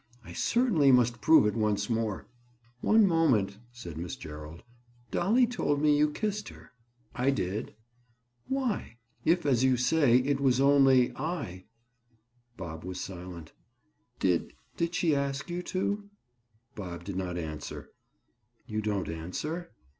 I certainly must prove it once more." "One moment," said Miss Gerald. "Dolly told me you kissed her." "I did." "Why, if as you say, it was only I—?" Bob was silent. "Did—did she ask you to?" Bob did not answer. "You don't answer?"